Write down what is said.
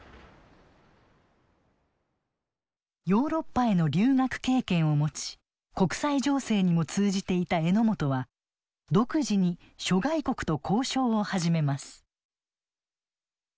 ヨーロッパへの留学経験を持ち国際情勢にも通じていた榎本は独自に諸外国と交渉を始めます。